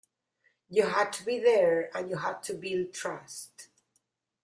You had to be there and you had to build trust.